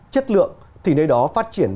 chất lượng thì nơi đó phát triển